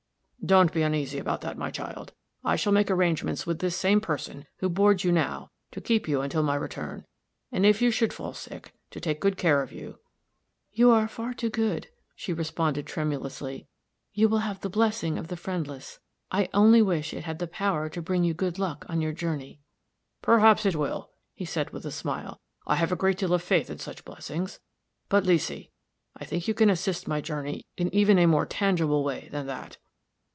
"Don't be uneasy about that, my child. I shall make arrangements with this same person who boards you now to keep you until my return, and, if you should fall sick, to take good care of you." "You are far too good," she responded, tremulously. "You will have the blessing of the friendless. I only wish it had the power to bring you good luck on your journey." "Perhaps it will," he said, with a smile. "I have a great deal of faith in such blessings. But, Leesy, I think you can assist my journey in even a more tangible way than that."